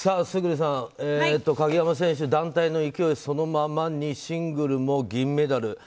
村主さん、鍵山選手団体の勢いそのままにシングルも銀メダル。